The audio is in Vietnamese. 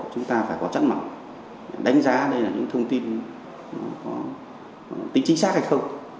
chúng ta phải có chắc mỏng đánh giá đây là những thông tin có tính chính xác hay không